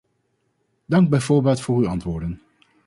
Dank bij voorbaat voor uw antwoorden.